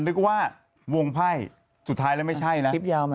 ลึกว่าวงไพ่สุดท้ายแล้วไม่ใช่นะ